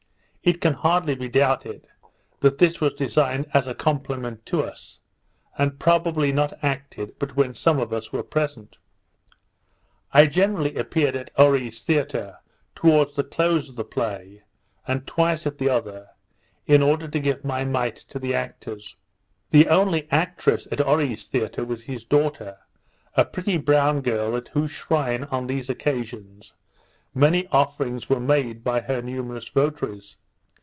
It can hardly be doubted, that this was designed as a compliment to us, and probably not acted but when some of us were present. I generally appeared at Oree's theatre towards the close of the play, and twice at the other, in order to give my mite to the actors. The only actress at Oree's theatre was his daughter, a pretty brown girl, at whose shrine, on these occasions, many offerings were made by her numerous votaries.